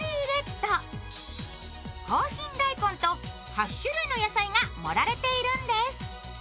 ８種類の野菜が盛られているんです。